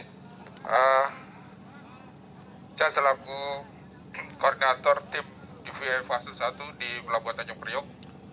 saya selaku koordinator tim dvi fase satu di pelabuhan tanjung priok